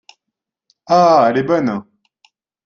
Ah ! elle est bonne !